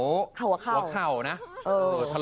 พี่พูดกลับบอกว่าจะทหัส